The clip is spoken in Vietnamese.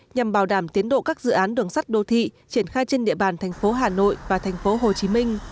nhằm bảo đảm tiến độ các dự án đường sắt đô thị triển khai trên địa bàn tp hcm và tp hcm